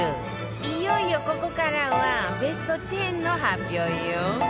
いよいよここからはベスト１０の発表よ